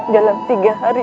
dalam tiga hari